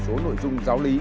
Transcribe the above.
và một số nội dung giáo lý